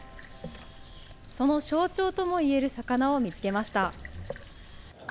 その象徴ともいえる魚を見つけました。